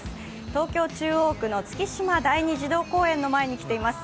東京・中央区の月島第二児童公園の前に来ています。